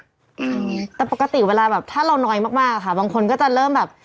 อืมแต่ปกติเวลาแบบถ้าเราน้อยมากมากค่ะบางคนก็จะเริ่มแบบ